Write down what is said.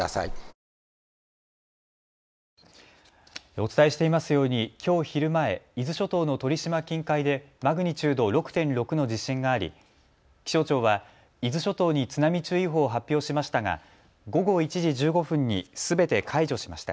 お伝えしていますようにきょう昼前、伊豆諸島の鳥島近海でマグニチュード６．６の地震があり気象庁は伊豆諸島に津波注意報を発表しましたが午後１時１５分にすべて解除しました。